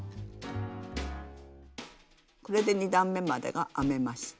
これで２段めまでが編めました。